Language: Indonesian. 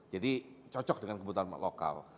jadi cocok dengan kebutuhan lokal